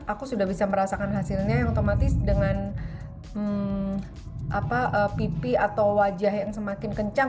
aku sudah bisa merasakan hasilnya yang otomatis dengan pipi atau wajah yang semakin kencang